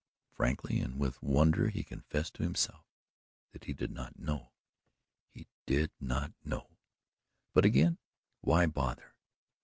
Frankly and with wonder he confessed to himself that he did not know he did not know. But again, why bother?